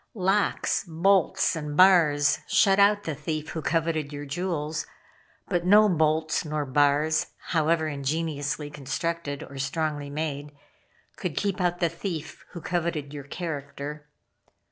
Locks, bolts and bars shut out the thief who coveted your jewels; but no bolts nor bars, however ingeniously constructed or strongly made, could keep out the thief who coveted your character.